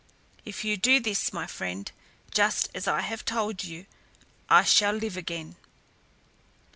If you do this, my friend, just as I have told you, I shall live again."